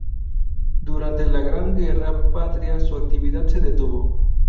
Durante la Gran Guerra Patria su actividad se detuvo.